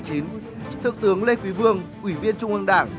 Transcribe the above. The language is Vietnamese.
trung tướng lê quý vương ủy viên trung ương đảng